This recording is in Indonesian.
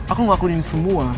aku ngelakuin ini semua